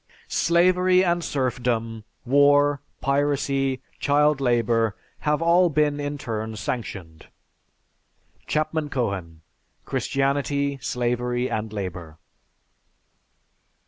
Slavery and serfdom, war, piracy, child labor, have all been in turn sanctioned." (_Chapman Cohen: "Christianity, Slavery, and Labor."